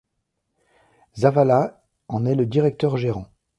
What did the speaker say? Zavala en est le directeur-gérant.